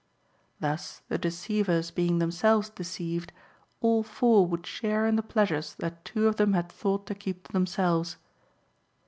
Thus, the deceivers being themselves deceived, all four would share in the pleasures that two of them had thought to keep to themselves.